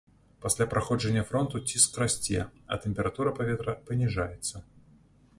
Пасля праходжання фронту ціск расце, а тэмпература паветра паніжаецца.